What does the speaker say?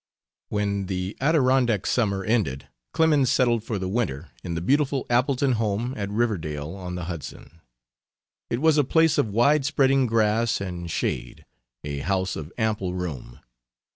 When the Adirondack summer ended Clemens settled for the winter in the beautiful Appleton home at Riverdale on the Hudson. It was a place of wide spreading grass and shade a house of ample room.